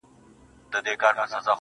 يو خوا يې توره سي تياره ښكاريږي.